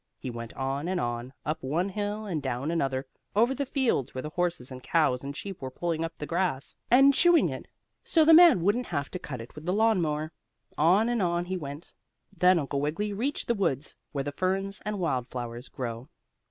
He went on and on, up one hill and down another, over the fields where the horses and cows and sheep were pulling up the grass, and chewing it, so the man wouldn't have to cut it with the lawn mower; on and on he went. Then Uncle Wiggily reached the woods, where the ferns and wild flowers grow.